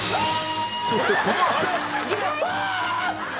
そしてこのあとうわー！